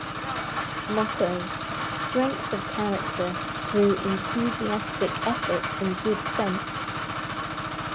Motto: "Strength of Character Through Enthusiastic Effort and Good Sense".